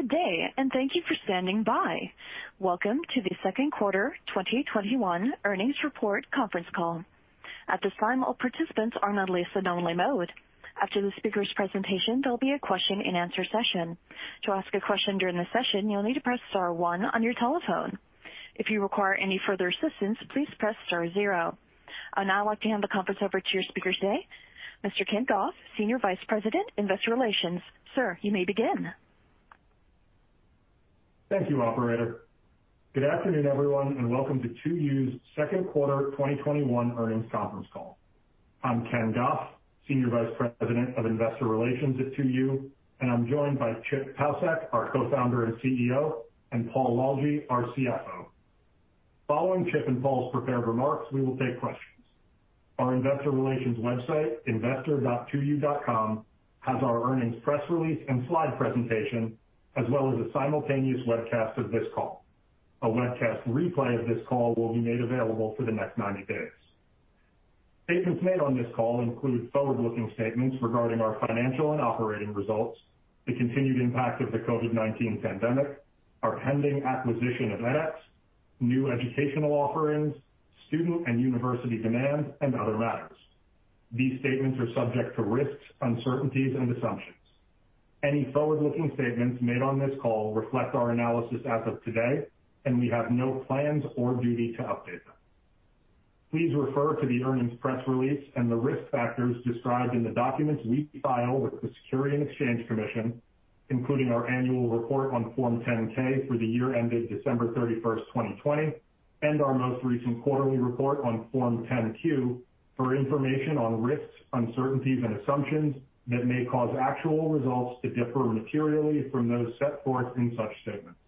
Good day, thank you for standing by. Welcome to the second quarter 2021 earnings report conference call. At this time, all participants are on listen-only mode. After the speakers' presentation, there'll be a question-and-answer session. To ask a question during the session, you'll need to press star one on your telephone. If you require any further assistance, please press star zero. I'd now like to hand the conference over to your speaker today, Mr. Ken Goff, Senior Vice President, Investor Relations. Sir, you may begin. Thank you, operator. Good afternoon, everyone, and welcome to 2U's 2nd quarter 2021 earnings conference call. I'm Ken Goff, Senior Vice President of Investor Relations at 2U, and I'm joined by Chip Paucek, our Co-Founder and CEO, and Paul Lalljie, our CFO. Following Chip and Paul's prepared remarks, we will take questions. Our investor relations website, investor.2u.com, has our earnings press release and slide presentation, as well as a simultaneous webcast of this call. A webcast replay of this call will be made available for the next 90 days. Statements made on this call include forward-looking statements regarding our financial and operating results, the continued impact of the COVID-19 pandemic, our pending acquisition of edX, new educational offerings, student and university demand, and other matters. These statements are subject to risks, uncertainties and assumptions. Any forward-looking statements made on this call reflect our analysis as of today, and we have no plans or duty to update them. Please refer to the earnings press release and the risk factors described in the documents we file with the Securities and Exchange Commission, including our annual report on Form 10-K for the year ended December 31st, 2020, and our most recent quarterly report on Form 10-Q, for information on risks, uncertainties, and assumptions that may cause actual results to differ materially from those set forth in such statements.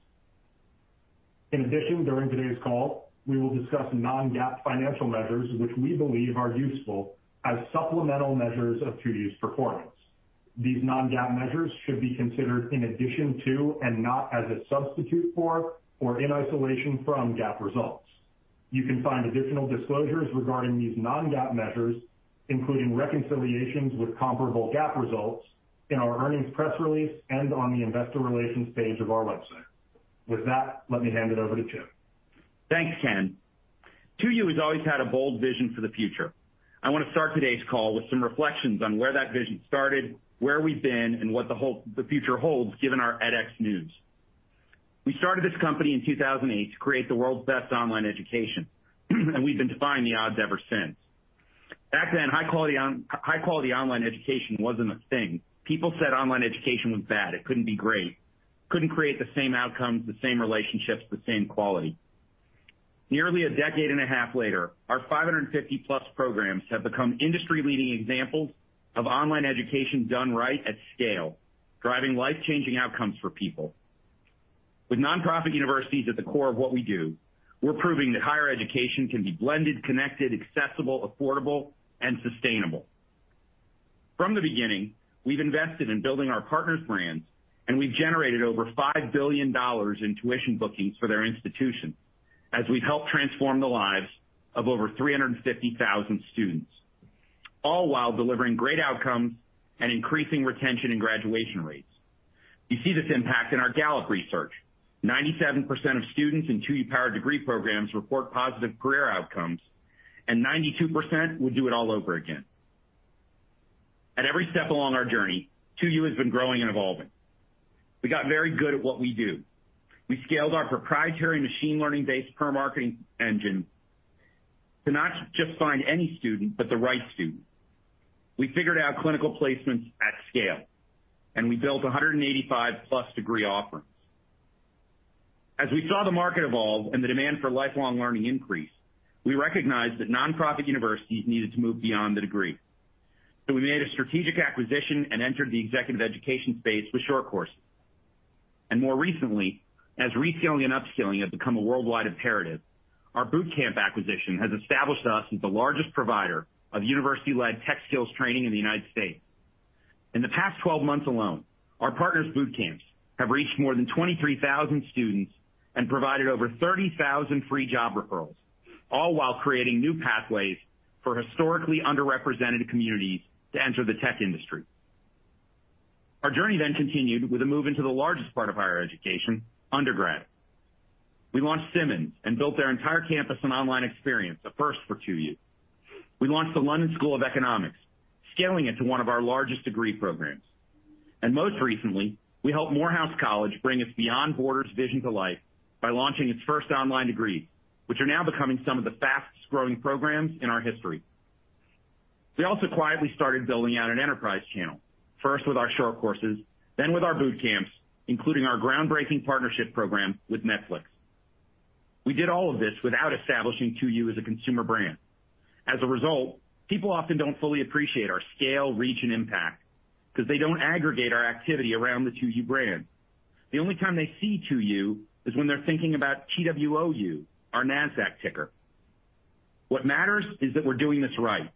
In addition, during today's call, we will discuss non-GAAP financial measures which we believe are useful as supplemental measures of 2U's performance. These non-GAAP measures should be considered in addition to, and not as a substitute for or in isolation from GAAP results. You can find additional disclosures regarding these non-GAAP measures, including reconciliations with comparable GAAP results, in our earnings press release and on the investor relations page of our website. With that, let me hand it over to Chip. Thanks, Ken. 2U has always had a bold vision for the future. I want to start today's call with some reflections on where that vision started, where we've been, and what the future holds, given our edX news. We started this company in 2008 to create the world's best online education, and we've been defying the odds ever since. Back then, high-quality online education wasn't a thing. People said online education was bad. It couldn't be great. Couldn't create the same outcomes, the same relationships, the same quality. Nearly a decade and a half later, our 550-plus programs have become industry-leading examples of online education done right at scale, driving life-changing outcomes for people. With nonprofit universities at the core of what we do, we're proving that higher education can be blended, connected, accessible, affordable, and sustainable. From the beginning, we've invested in building our partners' brands. We've generated over $5 billion in tuition bookings for their institutions as we've helped transform the lives of over 350,000 students, all while delivering great outcomes and increasing retention and graduation rates. You see this impact in our Gallup research. 97% of students in 2U-powered degree programs report positive career outcomes, and 92% would do it all over again. At every step along our journey, 2U has been growing and evolving. We got very good at what we do. We scaled our proprietary machine learning-based performance marketing engine to not just find any student, but the right student. We figured out clinical placements at scale. We built 185-plus degree offerings. As we saw the market evolve and the demand for lifelong learning increase, we recognized that nonprofit universities needed to move beyond the degree. We made a strategic acquisition and entered the executive education space with Short Course. More recently, as reskilling and upskilling have become a worldwide imperative, our Bootcamp acquisition has established us as the largest provider of university-led tech skills training in the U.S. In the past 12 months alone, our partners' bootcamps have reached more than 23,000 students and provided over 30,000 free job referrals, all while creating new pathways for historically underrepresented communities to enter the tech industry. Our journey continued with a move into the largest part of higher education, undergrad. We launched Simmons and built their entire campus and online experience, a first for 2U. We launched the London School of Economics, scaling it to one of our largest degree programs. Most recently, we helped Morehouse College bring its Beyond Borders vision to life by launching its first online degree, which are now becoming some of the fastest-growing programs in our history. We also quietly started building out an enterprise channel, first with our Short Courses, then with our bootcamps, including our groundbreaking partnership program with Netflix. We did all of this without establishing 2U as a consumer brand. As a result, people often don't fully appreciate our scale, reach, and impact because they don't aggregate our activity around the 2U brand. The only time they see 2U is when they're thinking about TWOU, our NASDAQ ticker. What matters is that we're doing this right,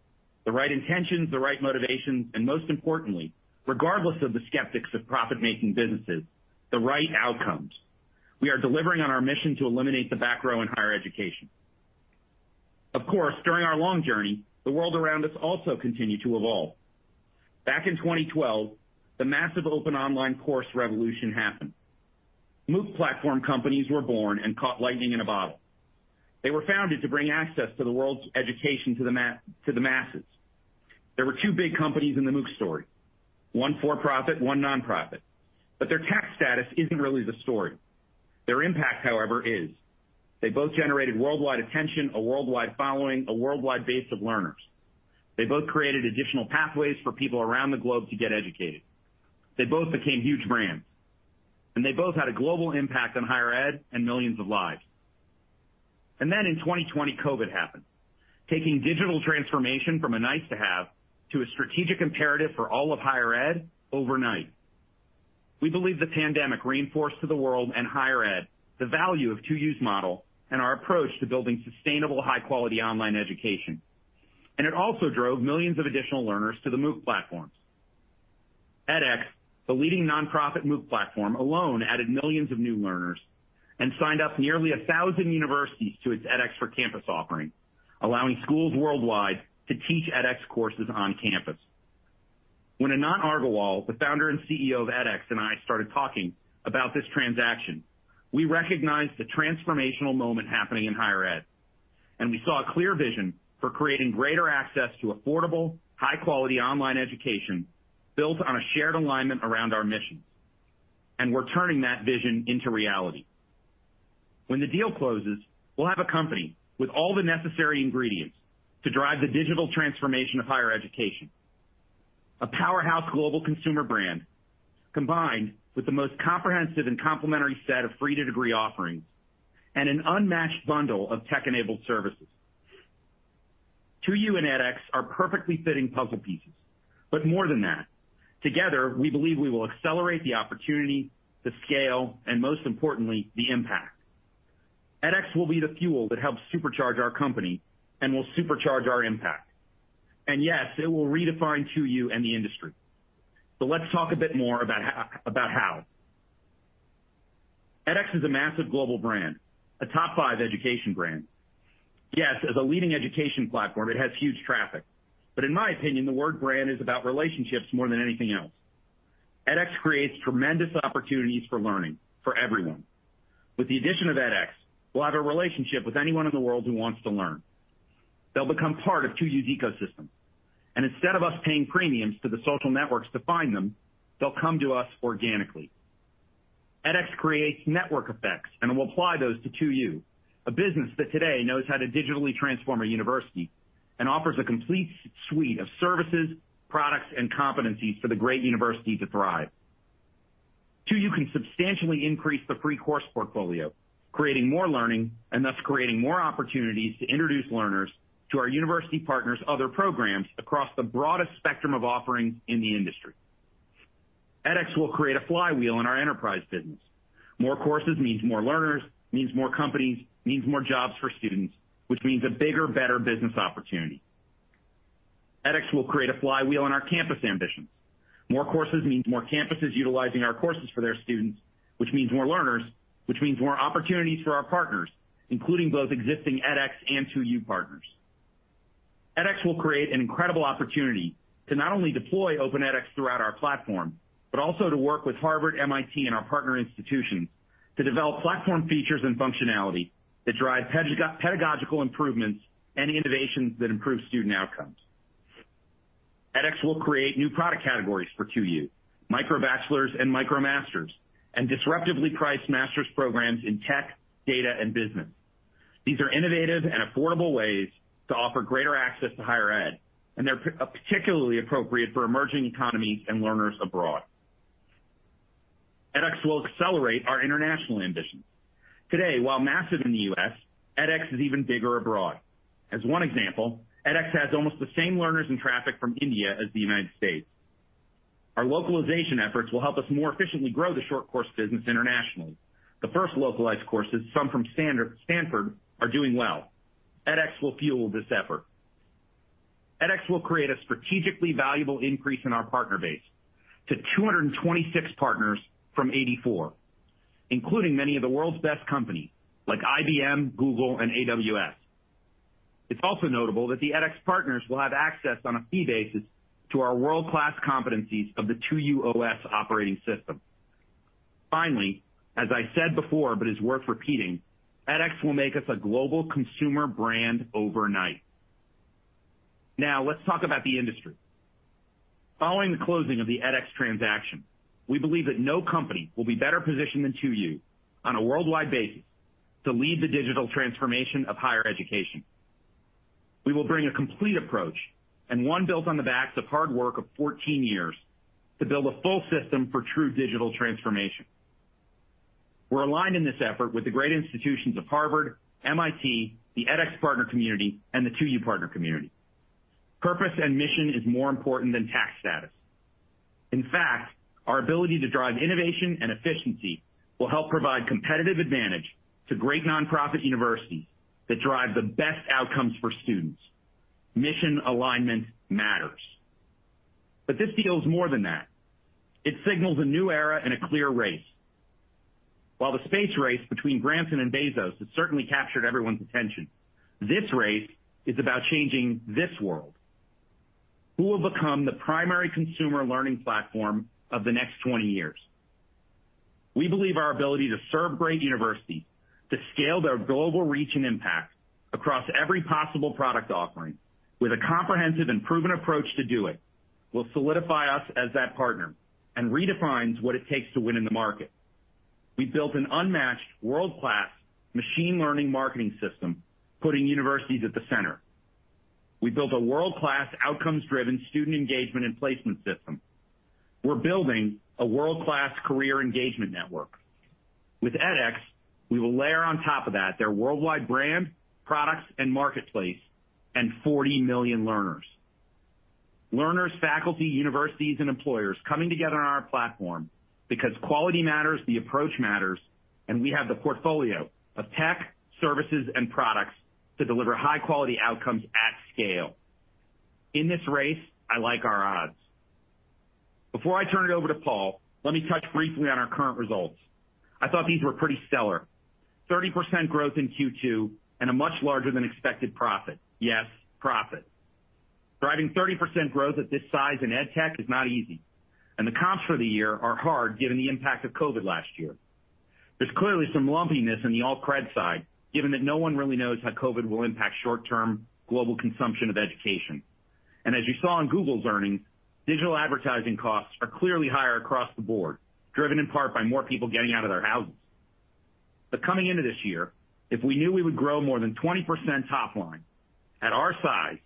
the right intentions, the right motivations, and most importantly, regardless of the skeptics of profit-making businesses, the right outcomes. We are delivering on our mission to eliminate the back row in higher education. Of course, during our long journey, the world around us also continued to evolve. Back in 2012, the massive open online course revolution happened. MOOC platform companies were born and caught lightning in a bottle. They were founded to bring access to the world's education to the masses. There were big companies in the MOOC story, one for-profit, one nonprofit. Their tax status isn't really the story. Their impact, however, is. They both generated worldwide attention, a worldwide following, a worldwide base of learners. They both created additional pathways for people around the globe to get educated. They both became huge brands, and they both had a global impact on higher ed and millions of lives. In 2020, COVID-19 happened, taking digital transformation from a nice-to-have to a strategic imperative for all of higher ed overnight. We believe the pandemic reinforced to the world and higher ed the value of 2U's model and our approach to building sustainable, high-quality online education. It also drove millions of additional learners to the MOOC platforms. edX, the leading nonprofit MOOC platform, alone added millions of new learners and signed up nearly 1,000 universities to its edX for Campus offering, allowing schools worldwide to teach edX courses on campus. When Anant Agarwal, the founder and CEO of edX, and I started talking about this transaction, we recognized the transformational moment happening in higher ed, and we saw a clear vision for creating greater access to affordable, high-quality online education built on a shared alignment around our missions. We're turning that vision into reality. When the deal closes, we'll have a company with all the necessary ingredients to drive the digital transformation of higher education, a powerhouse global consumer brand, combined with the most comprehensive and complementary set of free to degree offerings and an unmatched bundle of tech-enabled services. 2U and edX are perfectly fitting puzzle pieces. More than that, together, we believe we will accelerate the opportunity, the scale, and most importantly, the impact. edX will be the fuel that helps supercharge our company and will supercharge our impact. Yes, it will redefine 2U and the industry. Let's talk a bit more about how. edX is a massive global brand, a top five education brand. Yes, as a leading education platform, it has huge traffic. In my opinion, the word brand is about relationships more than anything else. edX creates tremendous opportunities for learning for everyone. With the addition of edX, we'll have a relationship with anyone in the world who wants to learn. They'll become part of 2U's ecosystem. Instead of us paying premiums to the social networks to find them, they'll come to us organically. edX creates network effects. We'll apply those to 2U, a business that today knows how to digitally transform a university and offers a complete suite of services, products, and competencies for the great university to thrive. 2U can substantially increase the free course portfolio, creating more learning and thus creating more opportunities to introduce learners to our university partners' other programs across the broadest spectrum of offerings in the industry. edX will create a flywheel in our enterprise business. More courses means more learners, means more companies, means more jobs for students, which means a bigger, better business opportunity. edX will create a flywheel in our campus ambitions. More courses means more campuses utilizing our courses for their students, which means more learners, which means more opportunities for our partners, including both existing edX and 2U partners. edX will create an incredible opportunity to not only deploy Open edX throughout our platform, but also to work with Harvard, MIT, and our partner institutions to develop platform features and functionality that drive pedagogical improvements and innovations that improve student outcomes. edX will create new product categories for 2U, MicroBachelors and MicroMasters, and disruptively priced master's programs in tech, data, and business. These are innovative and affordable ways to offer greater access to higher ed, and they're particularly appropriate for emerging economies and learners abroad. edX will accelerate our international ambitions. Today, while massive in the U.S., edX is even bigger abroad. As one example, edX has almost the same learners and traffic from India as the United States. Our localization efforts will help us more efficiently grow the Short Course business internationally. The first localized courses, some from Stanford, are doing well. edX will fuel this effort. edX will create a strategically valuable increase in our partner base to 226 partners from 84, including many of the world's best companies like IBM, Google, and AWS. It's also notable that the edX partners will have access on a fee basis to our world-class competencies of the 2U OS operating system. Finally, as I said before, but is worth repeating, edX will make us a global consumer brand overnight. Now, let's talk about the industry. Following the closing of the edX transaction, we believe that no company will be better positioned than 2U on a worldwide basis to lead the digital transformation of higher education. We will bring a complete approach and one built on the backs of hard work of 14 years to build a full system for true digital transformation. We're aligned in this effort with the great institutions of Harvard, MIT, the edX partner community, and the 2U partner community. Purpose and mission is more important than tax status. Our ability to drive innovation and efficiency will help provide competitive advantage to great nonprofit universities that drive the best outcomes for students. Mission alignment matters. This deal is more than that. It signals a new era and a clear race. While the space race between Branson and Bezos has certainly captured everyone's attention, this race is about changing this world. Who will become the primary consumer learning platform of the next 20 years? We believe our ability to serve great universities, to scale their global reach and impact across every possible product offering with a comprehensive and proven approach to do it, will solidify us as that partner and redefines what it takes to win in the market. We've built an unmatched, world-class machine learning marketing system, putting universities at the center. We've built a world-class, outcomes-driven student engagement and placement system. We're building a world-class career engagement network. With edX, we will layer on top of that their worldwide brand, products, and marketplace, and 40 million learners. Learners, faculty, universities, and employers coming together on our platform because quality matters, the approach matters, and we have the portfolio of tech, services, and products to deliver high-quality outcomes at scale. In this race, I like our odds. Before I turn it over to Paul, let me touch briefly on our current results. I thought these were pretty stellar. 30% growth in Q2 and a much larger than expected profit. Yes, profit. Driving 30% growth at this size in ed tech is not easy, and the comps for the year are hard given the impact of COVID-19 last year. There's clearly some lumpiness in the Alt-cred side, given that no one really knows how COVID-19 will impact short-term global consumption of education. As you saw in Google's earnings, digital advertising costs are clearly higher across the board, driven in part by more people getting out of their houses. Coming into this year, if we knew we would grow more than 20% top line at our size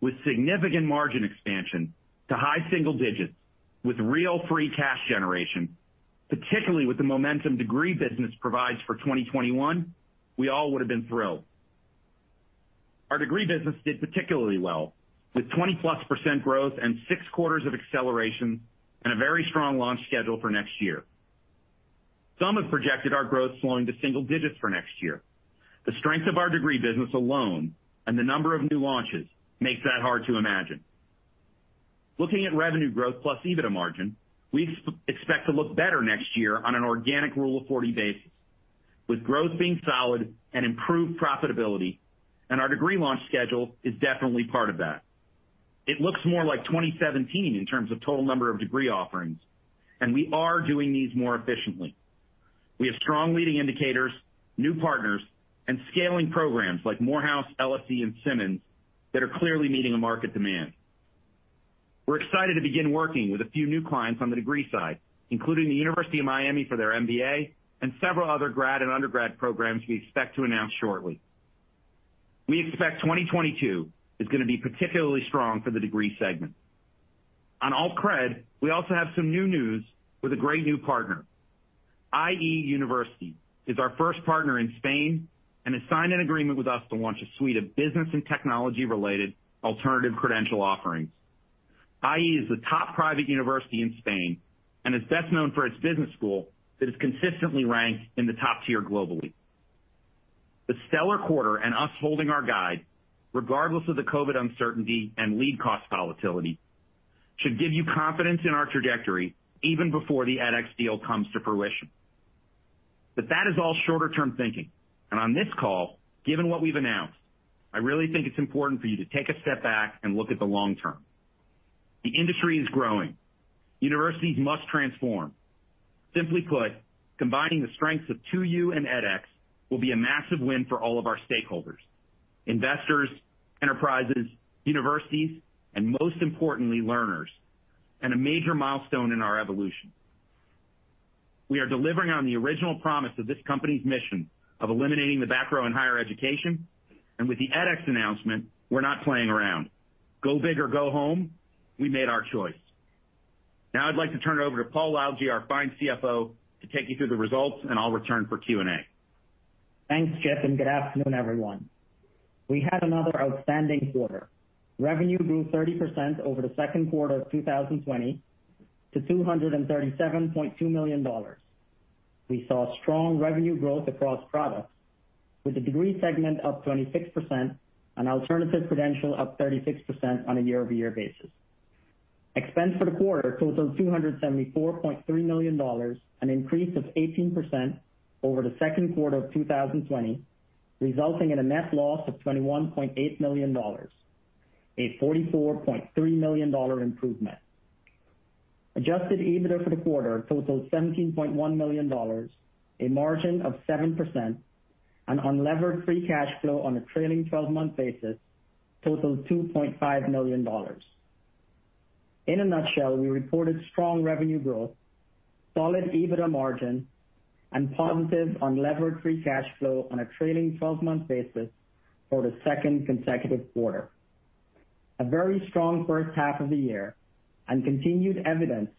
with significant margin expansion to high single digits with real free cash generation, particularly with the momentum degree business provides for 2021, we all would've been thrilled. Our degree business did particularly well, with 20%+ growth and six quarters of acceleration, and a very strong launch schedule for next year. Some have projected our growth slowing to single digits for next year. The strength of our degree business alone and the number of new launches makes that hard to imagine. Looking at revenue growth plus EBITDA margin, we expect to look better next year on an organic Rule of 40 basis, with growth being solid and improved profitability, and our degree launch schedule is definitely part of that. It looks more like 2017 in terms of total number of degree offerings, and we are doing these more efficiently. We have strong leading indicators, new partners, and scaling programs like Morehouse, LSE, and Simmons that are clearly meeting a market demand. We're excited to begin working with a few new clients on the degree side, including the University of Miami for their MBA and several other grad and undergrad programs we expect to announce shortly. We expect 2022 is gonna be particularly strong for the degree segment. On AltCred, we also have some new news with a great new partner. IE University is our first partner in Spain and has signed an agreement with us to launch a suite of business and technology-related alternative credential offerings. IE University is the top private university in Spain and is best known for its business school that is consistently ranked in the top tier globally. The stellar quarter and us holding our guide, regardless of the COVID-19 uncertainty and lead cost volatility, should give you confidence in our trajectory even before the edX deal comes to fruition. That is all shorter-term thinking, and on this call, given what we've announced, I really think it's important for you to take a step back and look at the long term. The industry is growing. Universities must transform. Simply put, combining the strengths of 2U and edX will be a massive win for all of our stakeholders, investors, enterprises, universities, and most importantly, learners, and a major milestone in our evolution. We are delivering on the original promise of this company's mission of eliminating the back row in higher education, and with the edX announcement, we're not playing around. Go big or go home. We made our choice. Now I'd like to turn it over to Paul Lalljie, our fine CFO, to take you through the results, and I'll return for Q&A. Thanks, Chip, and good afternoon, everyone. We had another outstanding quarter. Revenue grew 30% over the second quarter of 2020 to $237.2 million. We saw strong revenue growth across products, with the degree segment up 26% and alternative credential up 36% on a year-over-year basis. Expense for the quarter totals $274.3 million, an increase of 18% over the second quarter of 2020, resulting in a net loss of $21.8 million, a $44.3 million improvement. Adjusted EBITDA for the quarter totaled $17.1 million, a margin of 7%, and unlevered free cash flow on a trailing 12-month basis totaled $2.5 million. In a nutshell, we reported strong revenue growth, solid EBITDA margin, and positive unlevered free cash flow on a trailing 12-month basis for the second consecutive quarter. A very strong first half of the year and continued evidence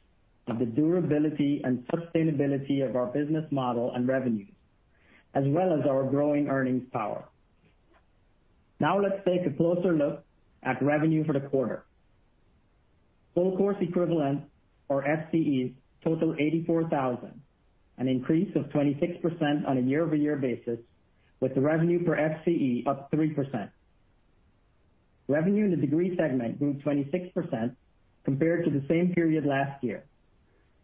of the durability and sustainability of our business model and revenues, as well as our growing earnings power. Let's take a closer look at revenue for the quarter. Full course equivalent or FCE totaled 84,000, an increase of 26% on a year-over-year basis, with the revenue per FCE up 3%. Revenue in the degree segment grew 26% compared to the same period last year.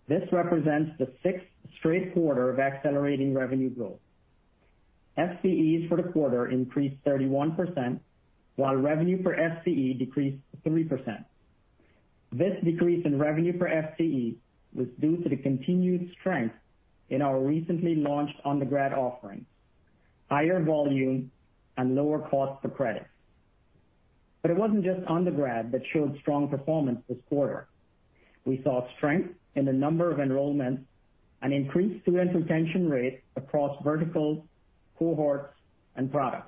This represents the sixth straight quarter of accelerating revenue growth. FCEs for the quarter increased 31%, while revenue per FCE decreased 3%. This decrease in revenue per FCE was due to the continued strength in our recently launched undergrad offerings, higher volume, and lower cost per credit. It wasn't just undergrad that showed strong performance this quarter. We saw strength in the number of enrollments and increased student retention rate across verticals, cohorts, and products.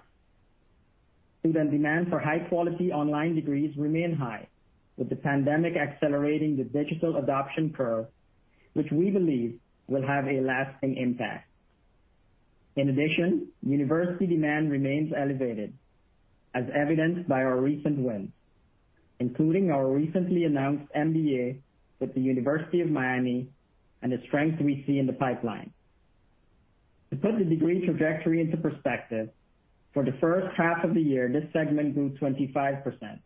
Student demand for high-quality online degrees remain high, with the pandemic accelerating the digital adoption curve, which we believe will have a lasting impact. In addition, university demand remains elevated, as evidenced by our recent wins, including our recently announced MBA with the University of Miami and the strength we see in the pipeline. To put the degree trajectory into perspective, for the first half of the year, this segment grew 25%,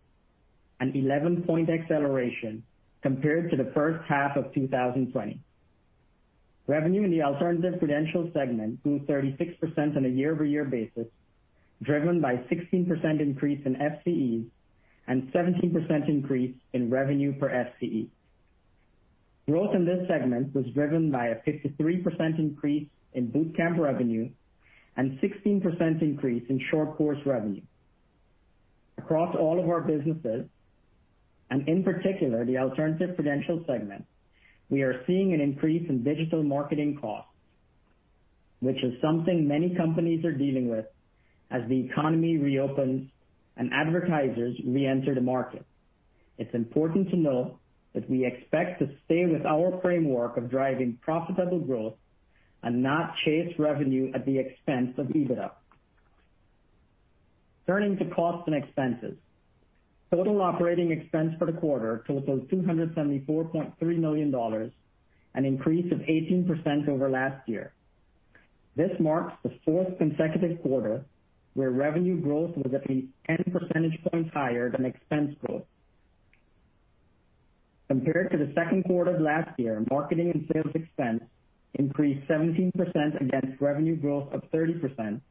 an 11-point acceleration compared to the first half of 2020. Revenue in the alternative credentials segment grew 36% on a year-over-year basis, driven by 16% increase in FCEs and 17% increase in revenue per FCE. Growth in this segment was driven by a 53% increase in Bootcamp revenue and 16% increase in Short Course revenue. Across all of our businesses, and in particular, the alternative credentials segment, we are seeing an increase in digital marketing costs, which is something many companies are dealing with as the economy reopens and advertisers reenter the market. It's important to note that we expect to stay with our framework of driving profitable growth and not chase revenue at the expense of EBITDA. Turning to costs and expenses. Total operating expense for the quarter totaled $274.3 million, an increase of 18% over last year. This marks the fourth consecutive quarter where revenue growth was at least 10 percentage points higher than expense growth. Compared to the second quarter of last year, marketing and sales expense increased 17% against revenue growth of 30%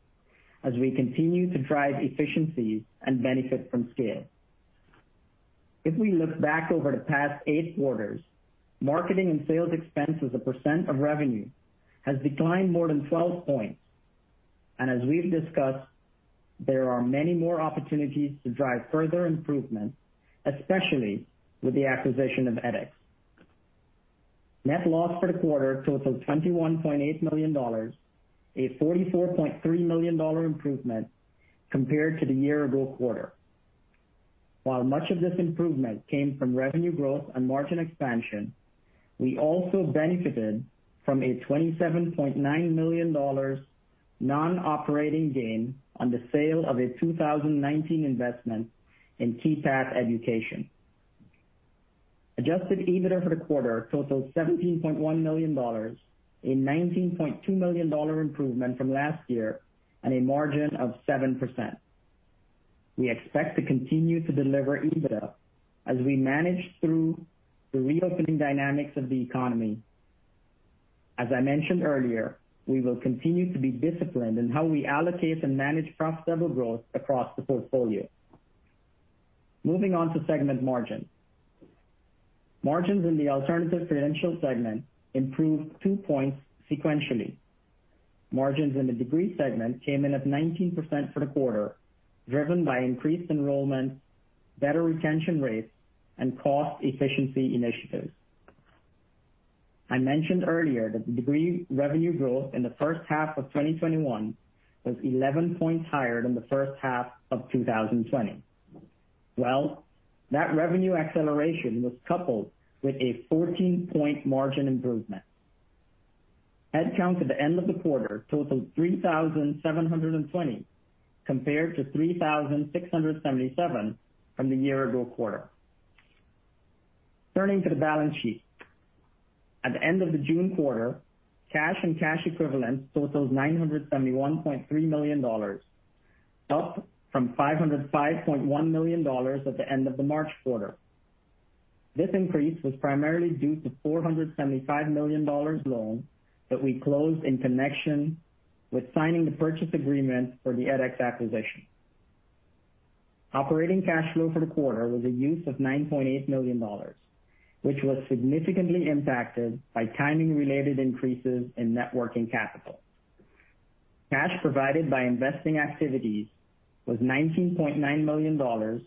as we continue to drive efficiencies and benefit from scale. If we look back over the past eight quarters, marketing and sales expense as a percent of revenue has declined more than 12 points, and as we've discussed, there are many more opportunities to drive further improvement, especially with the acquisition of edX. Net loss for the quarter totaled $21.8 million, a $44.3 million improvement compared to the year-ago quarter. While much of this improvement came from revenue growth and margin expansion, we also benefited from a $27.9 million non-operating gain on the sale of a 2019 investment in Keypath Education. Adjusted EBITDA for the quarter totaled $17.1 million, a $19.2 million improvement from last year, and a margin of 7%. We expect to continue to deliver EBITDA as we manage through the reopening dynamics of the economy. As I mentioned earlier, we will continue to be disciplined in how we allocate and manage profitable growth across the portfolio. Moving on to segment margin. Margins in the alternative credentials segment improved two points sequentially. Margins in the degree segment came in at 19% for the quarter, driven by increased enrollment, better retention rates, and cost efficiency initiatives. I mentioned earlier that the degree revenue growth in the first half of 2021 was 11 points higher than the first half of 2020. Well, that revenue acceleration was coupled with a 14-point margin improvement. Headcount at the end of the quarter totaled 3,720 compared to 3,677 from the year-ago quarter. Turning to the balance sheet. At the end of the June quarter, cash and cash equivalents totaled $971.3 million, up from $505.1 million at the end of the March quarter. This increase was primarily due to $475 million loan that we closed in connection with signing the purchase agreement for the edX acquisition. Operating cash flow for the quarter was a use of $9.8 million, which was significantly impacted by timing-related increases in net working capital. Cash provided by investing activities was $19.9 million,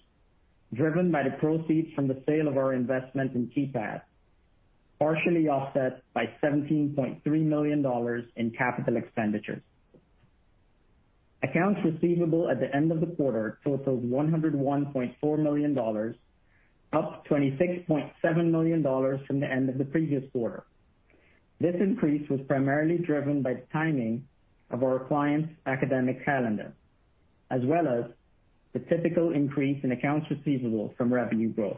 driven by the proceeds from the sale of our investment in Keypath, partially offset by $17.3 million in capital expenditures. Accounts receivable at the end of the quarter totaled $101.4 million, up $26.7 million from the end of the previous quarter. This increase was primarily driven by the timing of our clients' academic calendar, as well as the typical increase in accounts receivable from revenue growth.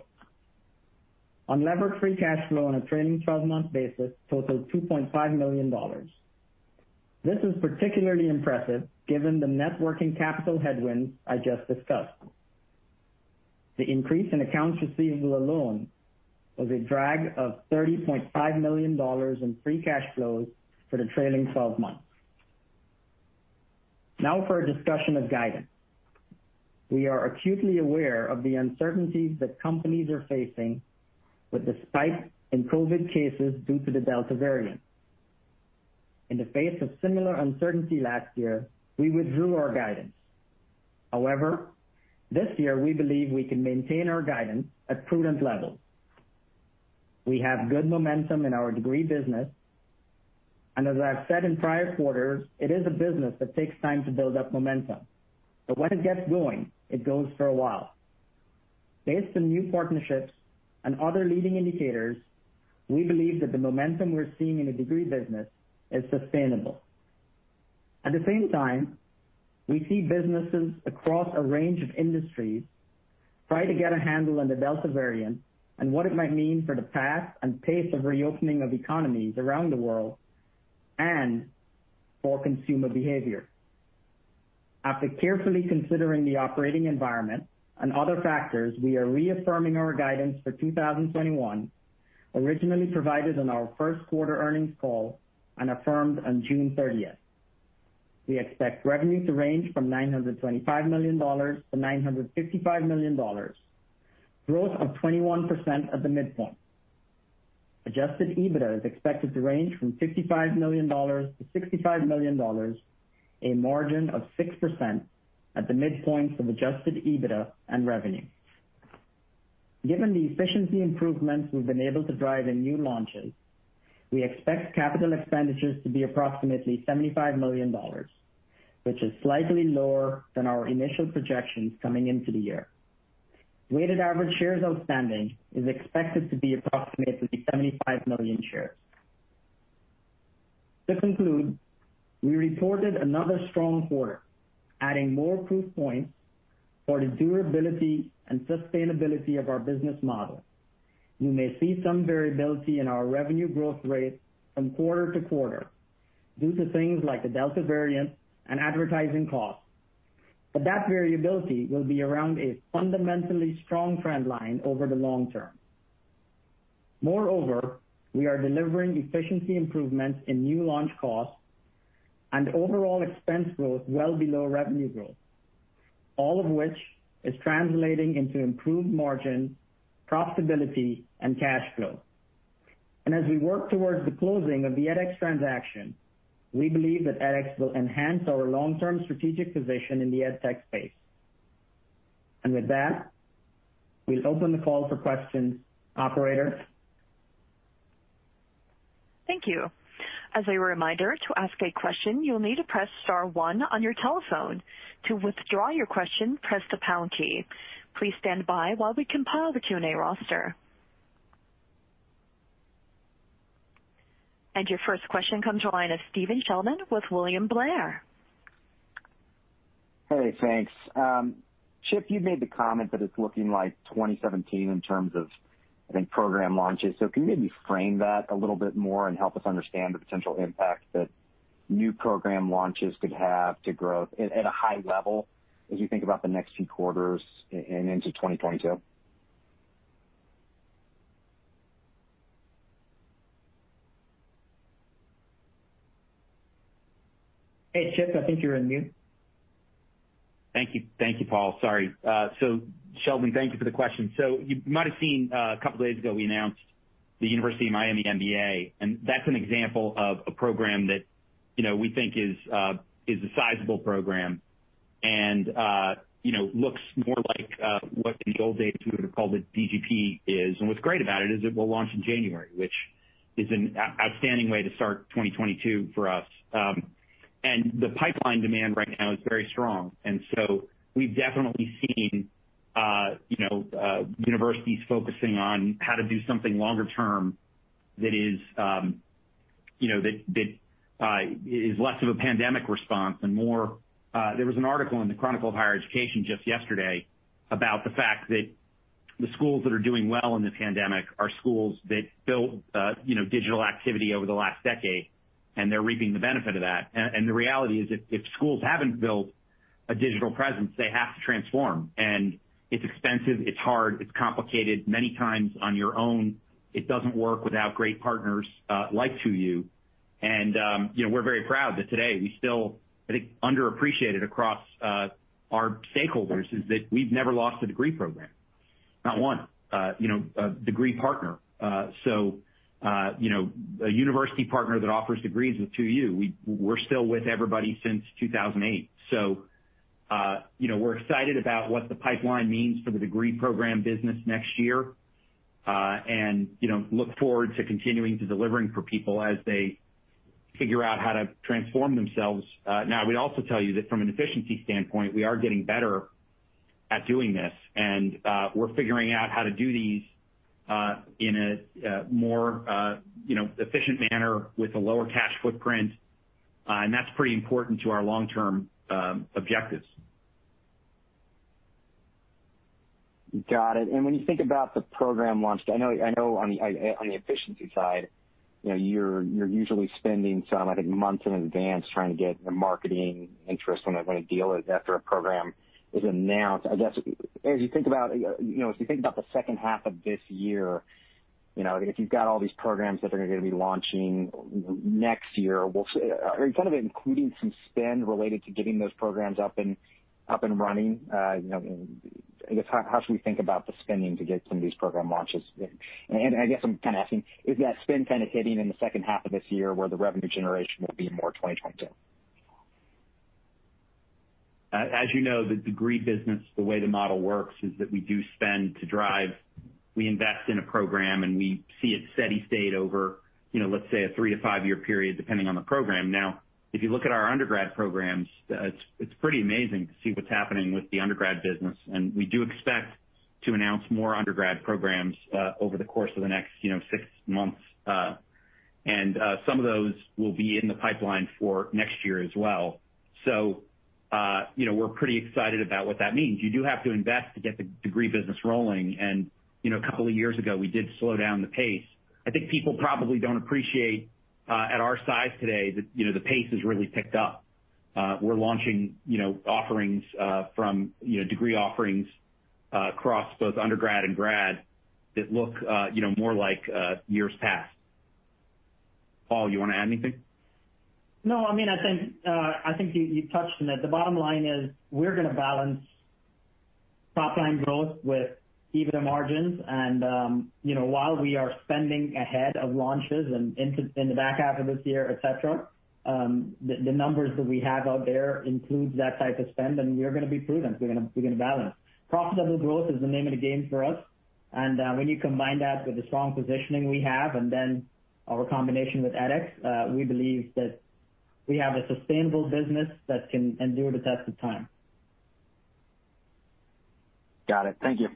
Unlevered free cash flow on a trailing 12-month basis totaled $2.5 million. This is particularly impressive given the net working capital headwinds I just discussed. The increase in accounts receivable alone was a drag of $30.5 million in free cash flows for the trailing 12 months. For a discussion of guidance. We are acutely aware of the uncertainties that companies are facing with the spike in COVID-19 cases due to the Delta variant. In the face of similar uncertainty last year, we withdrew our guidance. This year, we believe we can maintain our guidance at prudent levels. We have good momentum in our degree business. As I've said in prior quarters, it is a business that takes time to build up momentum, but when it gets going, it goes for a while. Based on new partnerships and other leading indicators, we believe that the momentum we're seeing in the degree business is sustainable. At the same time, we see businesses across a range of industries try to get a handle on the Delta variant and what it might mean for the path and pace of reopening of economies around the world and for consumer behavior. After carefully considering the operating environment and other factors, we are reaffirming our guidance for 2021, originally provided on our first quarter earnings call and affirmed on June 30th. We expect revenue to range from $925 million-$955 million, growth of 21% at the midpoint. Adjusted EBITDA is expected to range from $55 million-$65 million, a margin of 6% at the midpoint of adjusted EBITDA and revenue. Given the efficiency improvements we've been able to drive in new launches, we expect capital expenditures to be approximately $75 million, which is slightly lower than our initial projections coming into the year. Weighted average shares outstanding is expected to be approximately 75 million shares. To conclude, we reported another strong quarter, adding more proof points for the durability and sustainability of our business model. You may see some variability in our revenue growth rate from quarter to quarter due to things like the Delta variant and advertising costs. That variability will be around a fundamentally strong trend line over the long term. Moreover, we are delivering efficiency improvements in new launch costs and overall expense growth well below revenue growth, all of which is translating into improved margin, profitability, and cash flow. As we work towards the closing of the edX transaction, we believe that edX will enhance our long-term strategic position in the ed tech space. With that, we'll open the call for questions. Operator? Thank you. As a reminder, to ask a question, you'll need to press star one on your telephone. To withdraw your question, press the pound key. Please stand by while we compile the Q&A roster. Your first question comes from the line of Stephen Sheldon with William Blair. Hey, thanks. Chip, you made the comment that it's looking like 2017 in terms of, I think, program launches. Can you maybe frame that a little bit more and help us understand the potential impact that new program launches could have to growth at a high level as you think about the next few quarters and into 2022? Hey, Chip, I think you're on mute. Thank you, Paul. Sorry. Sheldon, thank you for the question. You might have seen, a couple days ago, we announced the University of Miami MBA, and that's an example of a program that we think is a sizable program and looks more like what in the old days we would've called a DGP is. What's great about it is it will launch in January, which is an outstanding way to start 2022 for us. The pipeline demand right now is very strong. We've definitely seen universities focusing on how to do something longer term that is less of a pandemic response and more. There was an article in The Chronicle of Higher Education just yesterday about the fact that the schools that are doing well in the pandemic are schools that built digital activity over the last decade, and they're reaping the benefit of that. The reality is, if schools haven't built a digital presence, they have to transform. It's expensive, it's hard, it's complicated. Many times, on your own, it doesn't work without great partners like 2U. We're very proud that today we still, I think, underappreciated across our stakeholders is that we've never lost a degree program, not one degree partner. A university partner that offers degrees with 2U, we're still with everybody since 2008. We're excited about what the pipeline means for the degree program business next year. Look forward to continuing to delivering for people as they figure out how to transform themselves. Now, I would also tell you that from an efficiency standpoint, we are getting better at doing this, and we're figuring out how to do these in a more efficient manner with a lower cash footprint, and that's pretty important to our long-term objectives. Got it. When you think about the program launch, I know on the efficiency side, you're usually spending some, I think, months in advance trying to get the marketing interest when a deal after a program is announced. You think about the second half of this year, if you've got all these programs that are going to be launching next year, are you including some spend related to getting those programs up and running? I guess, how should we think about the spending to get some of these program launches? I guess I'm asking is that spend hitting in the second half of this year where the revenue generation will be more 2022? As you know, the degree business, the way the model works is that we do spend to drive. We invest in a program, and we see it steady state over, let's say, a three to five-year period, depending on the program. If you look at our undergrad programs, it's pretty amazing to see what's happening with the undergrad business, and we do expect to announce more undergrad programs, over the course of the next six months. Some of those will be in the pipeline for next year as well. We're pretty excited about what that means. You do have to invest to get the degree business rolling, and a couple of years ago, we did slow down the pace. I think people probably don't appreciate, at our size today, that the pace has really picked up. We're launching offerings from degree offerings across both undergrad and grad that look more like years past. Paul, you want to add anything? No, I think you touched on it. The bottom line is we're going to balance top-line growth with EBITDA margins and while we are spending ahead of launches and in the back half of this year, et cetera, the numbers that we have out there includes that type of spend, and we are going to be prudent. We're going to balance. Profitable growth is the name of the game for us. When you combine that with the strong positioning we have and then our combination with edX, we believe that we have a sustainable business that can endure the test of time. Got it. Thank you.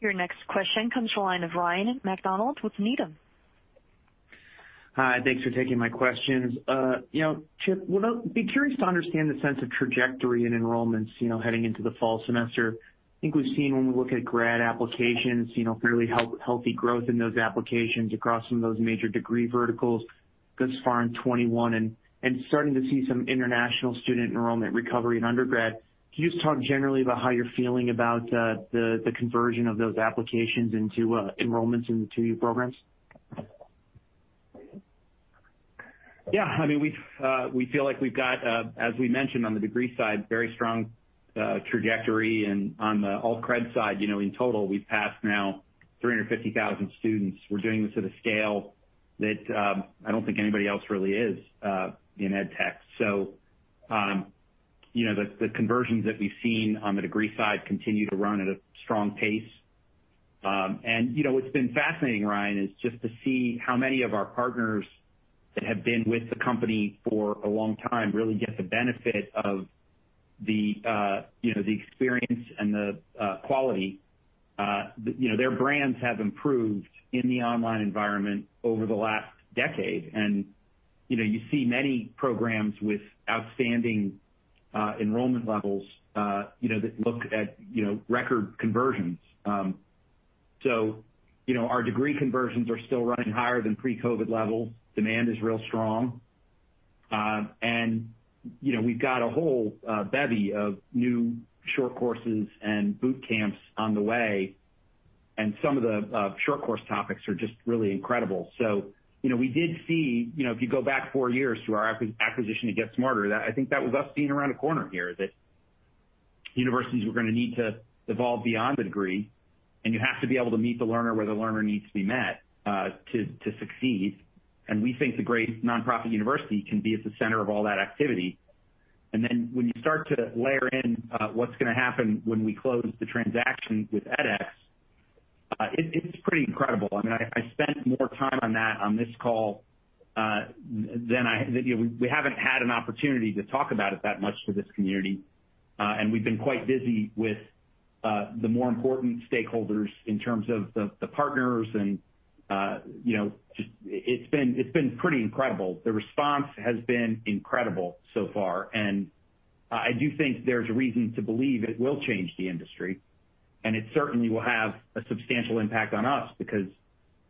Your next question comes to the line of Ryan MacDonald with Needham. Hi. Thanks for taking my questions. Chip, I'd be curious to understand the sense of trajectory in enrollments heading into the fall semester. I think we've seen when we look at grad applications, fairly healthy growth in those applications across some of those major degree verticals thus far in 2021, and starting to see some international student enrollment recovery in undergrad. Can you just talk generally about how you're feeling about the conversion of those applications into enrollments into your programs? We feel like we've got, as we mentioned on the degree side, very strong trajectory and on the Alt-Cred side, in total, we've passed now 350,000 students. We're doing this at a scale that I don't think anybody else really is in ed tech. The conversions that we've seen on the degree side continue to run at a strong pace. What's been fascinating, Ryan, is just to see how many of our partners that have been with the company for a long time really get the benefit of the experience and the quality. Their brands have improved in the online environment over the last decade, you see many programs with outstanding enrollment levels that look at record conversions. Our degree conversions are still running higher than pre-COVID levels. Demand is real strong. We've got a whole bevy of new short courses and boot camps on the way, Some of the short course topics are just really incredible. We did see, if you go back four years to our acquisition to GetSmarter, I think that was us seeing around a corner here, that universities were going to need to evolve beyond the degree. You have to be able to meet the learner where the learner needs to be met, to succeed. We think the great nonprofit university can be at the center of all that activity. When you start to layer in what's going to happen when we close the transaction with edX, it's pretty incredible. We haven't had an opportunity to talk about it that much for this community. We've been quite busy with the more important stakeholders in terms of the partners, and it's been pretty incredible. The response has been incredible so far, and I do think there's reason to believe it will change the industry, and it certainly will have a substantial impact on us because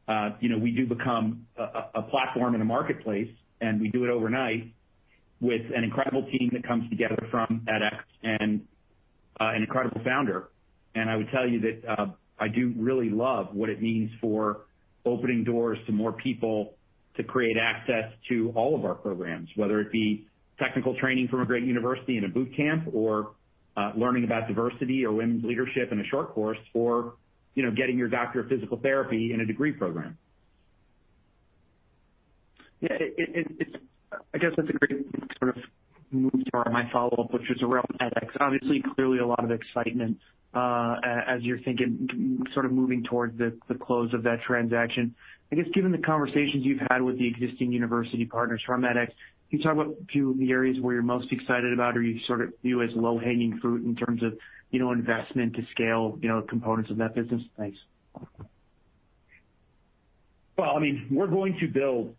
we do become a platform and a marketplace, and we do it overnight with an incredible team that comes together from edX and an incredible founder. I would tell you that I do really love what it means for opening doors to more people to create access to all of our programs, whether it be technical training from a great university in a Bootcamp or learning about diversity or women's leadership in a Short Course or getting your doctorate of physical therapy in a degree program. Yeah. I guess that's a great move to my follow-up, which is around edX. Obviously, clearly a lot of excitement as you're thinking, moving towards the close of that transaction. I guess given the conversations you've had with the existing university partners from edX, can you talk about a few of the areas where you're most excited about or you view as low-hanging fruit in terms of investment to scale components of that business? Thanks. Well, we're going to build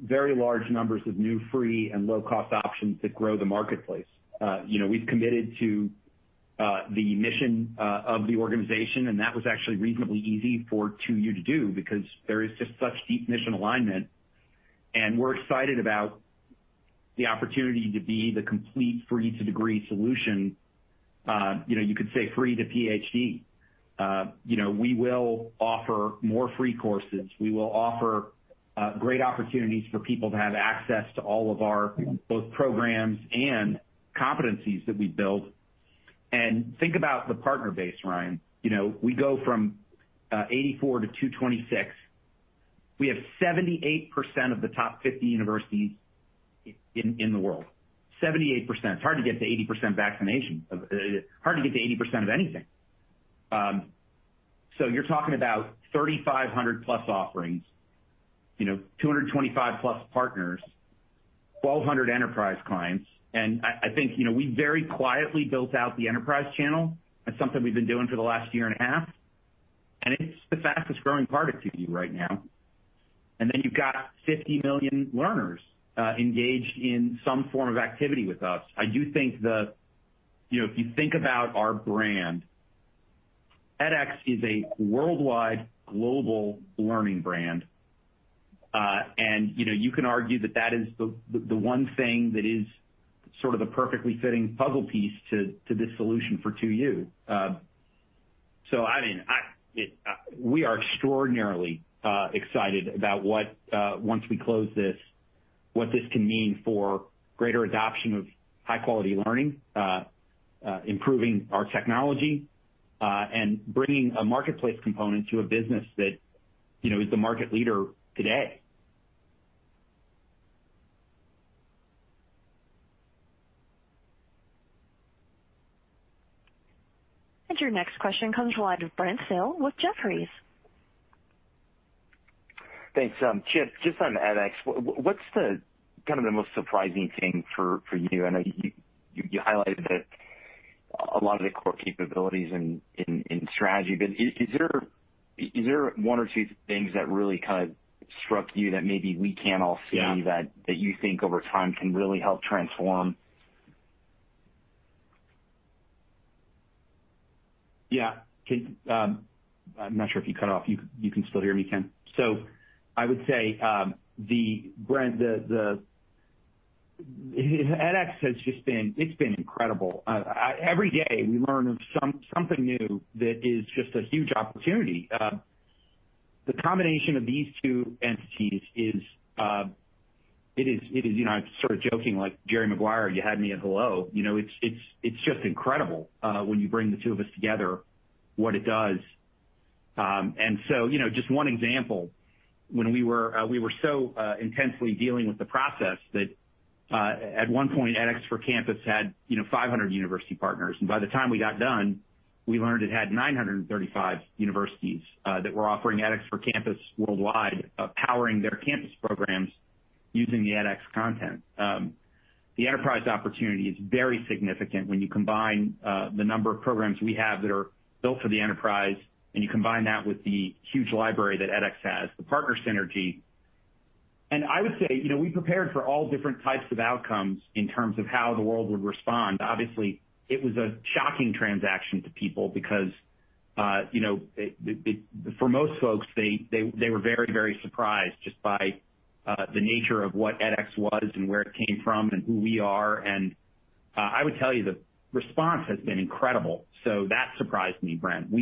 very large numbers of new free and low-cost options that grow the marketplace. We've committed to the mission of the organization, that was actually reasonably easy for 2U to do because there is just such deep mission alignment. We're excited about the opportunity to be the complete free-to-degree solution. You could say free to PhD. We will offer more free courses. We will offer great opportunities for people to have access to all of our both programs and competencies that we build. Think about the partner base, Ryan. We go from 84 to 226. We have 78% of the top 50 universities in the world. 78%. It's hard to get to 80% vaccination. Hard to get to 80% of anything. You're talking about 3,500+ offerings, 225+ partners, 1,200 enterprise clients. I think we very quietly built out the enterprise channel. That's something we've been doing for the last year and a half, and it's the fastest-growing part of 2U right now. You've got 50 million learners engaged in some form of activity with us. If you think about our brand, edX is a worldwide global learning brand. You can argue that that is the one thing that is sort of the perfectly fitting puzzle piece to this solution for 2U. We are extraordinarily excited about, once we close this, what this can mean for greater adoption of high-quality learning, improving our technology, and bringing a marketplace component to a business that is the market leader today. Your next question comes line of Brent Thill with Jefferies. Thanks. Chip, just on edX, what's the most surprising thing for you? I know you highlighted a lot of the core capabilities in strategy, is there one or two things that really kind of struck you that maybe we can't all see? Yeah --that you think over time can really help transform? Yeah. I'm not sure if you cut off. You can still hear me, Ken? I would say, Brent, edX has just been incredible. Every day, we learn of something new that is just a huge opportunity. The combination of these two entities is. I'm sort of joking, like, "Jerry Maguire, you had me at hello." It's just incredible when you bring the two of us together, what it does. Just one example, when we were so intensely dealing with the process that at one point edX for Campus had 500 university partners, and by the time we got done, we learned it had 935 universities that were offering edX for Campus worldwide, powering their campus programs using the edX content. The enterprise opportunity is very significant when you combine the number of programs we have that are built for the enterprise, and you combine that with the huge library that edX has, the partner synergy. I would say, we prepared for all different types of outcomes in terms of how the world would respond. Obviously, it was a shocking transaction to people because for most folks, they were very surprised just by the nature of what edX was and where it came from and who we are. I would tell you the response has been incredible. That surprised me, Brent. This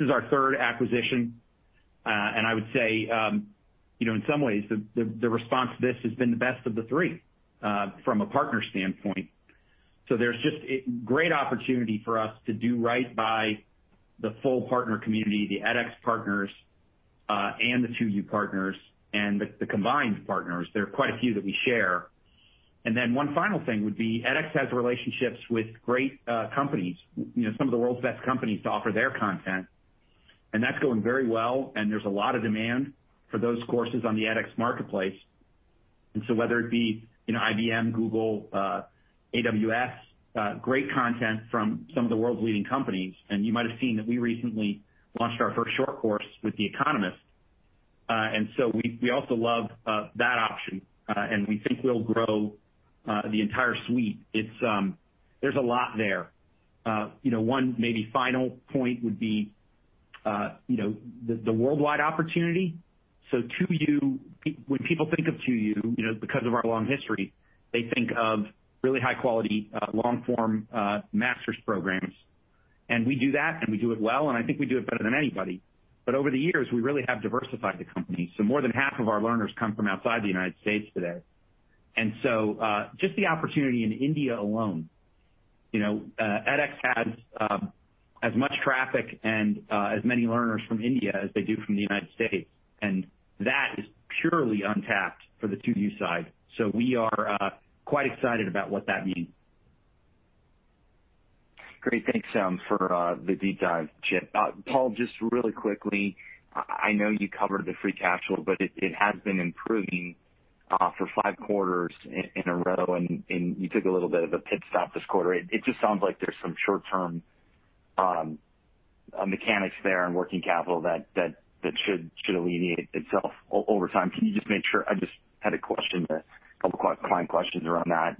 is our third acquisition. I would say, in some ways, the response to this has been the best of the three from a partner standpoint. There's just a great opportunity for us to do right by the full partner community, the edX partners, and the 2U partners, and the combined partners. There are quite a few that we share. One final thing would be edX has relationships with great companies, some of the world's best companies to offer their content, and that's going very well, and there's a lot of demand for those courses on the edX marketplace. Whether it be IBM, Google, AWS, great content from some of the world's leading companies. You might have seen that we recently launched our first Short Course with "The Economist." We also love that option. We think we'll grow the entire suite. There's a lot there. One maybe final point would be the worldwide opportunity. 2U, when people think of 2U, because of our long history, they think of really high-quality, long-form master's programs. We do that, and we do it well, and I think we do it better than anybody. Over the years, we really have diversified the company. More than half of our learners come from outside the United States today. Just the opportunity in India alone edX has as much traffic and as many learners from India as they do from the United States, and that is purely untapped for the 2U side. We are quite excited about what that means. Great. Thanks for the deep dive, Chip. Paul, just really quickly, I know you covered the free cash flow. It has been improving for five quarters in a row, and you took a little bit of a pit stop this quarter. It just sounds like there's some short-term mechanics there in working capital that should alleviate itself over time. Can you just make sure, I just had a question, two client questions around that,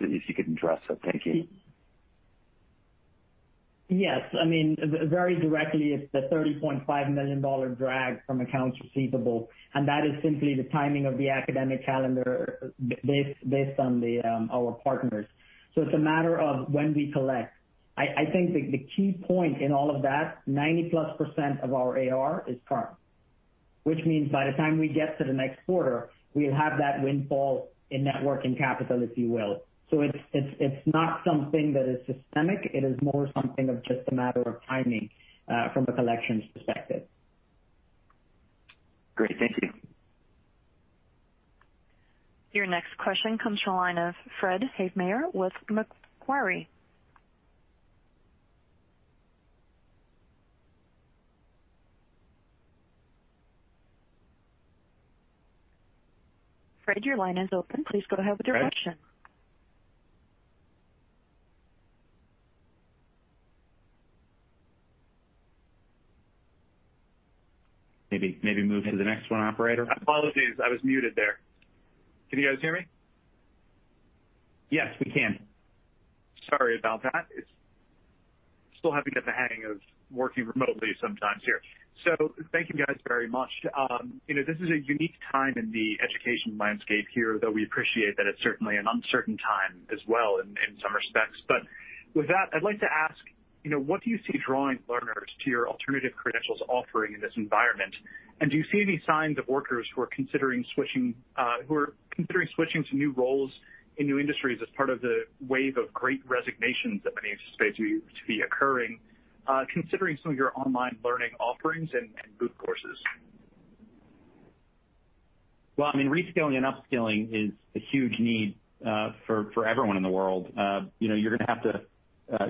if you could address it. Thank you. Yes. Very directly, it's the $30.5 million drag from accounts receivable, and that is simply the timing of the academic calendar based on our partners. It's a matter of when we collect. I think the key point in all of that, 90%+ of our AR is current. Which means by the time we get to the next quarter, we'll have that windfall in net working capital, if you will. It's not something that is systemic. It is more something of just a matter of timing, from the collections perspective. Great. Thank you. Your next question comes from the line of Fred Havemeyer with Macquarie. Fred, your line is open. Please go ahead with your question. Maybe move to the next one, operator. Apologies, I was muted there. Can you guys hear me? Yes, we can. Sorry about that. Still having to get the hang of working remotely sometimes here. Thank you guys very much. This is a unique time in the education landscape here, though we appreciate that it's certainly an uncertain time as well in some respects. With that, I'd like to ask, what do you see drawing learners to your alternative credentials offering in this environment? Do you see any signs of workers who are considering switching to new roles in new industries as part of the wave of great resignations that many anticipate to be occurring, considering some of your online learning offerings and boot courses? Well, reskilling and upskilling is a huge need for everyone in the world.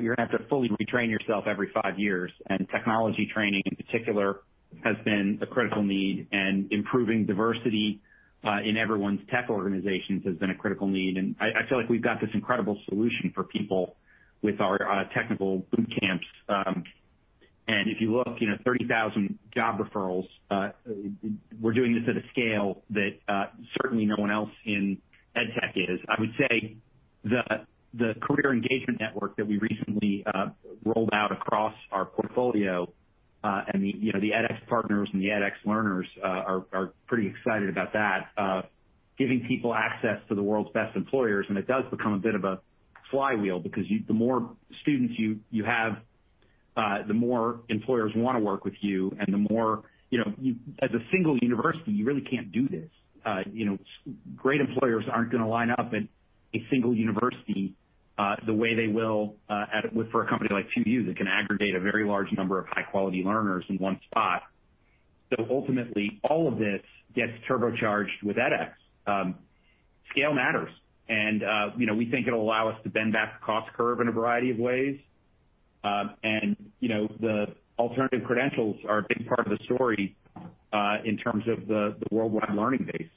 You're going to have to fully retrain yourself every five years. Technology training in particular has been a critical need. Improving diversity in everyone's tech organizations has been a critical need. I feel like we've got this incredible solution for people with our technical Bootcamps. If you look, 30,000 job referrals. We're doing this at a scale that certainly no one else in ed tech is. I would say the career engagement network that we recently rolled out across our portfolio, and the edX partners and the edX learners are pretty excited about that. Giving people access to the world's best employers. It does become a bit of a flywheel because the more students you have, the more employers want to work with you. As a single university, you really can't do this. Great employers aren't going to line up at a single university, the way they will for a company like 2U that can aggregate a very large number of high-quality learners in one spot. Ultimately, all of this gets turbocharged with edX. Scale matters. We think it'll allow us to bend back the cost curve in a variety of ways. The alternative credentials are a big part of the story, in terms of the worldwide learning base.